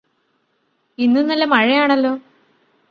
ഇന്നു നല്ല മഴയാണല്ലോ?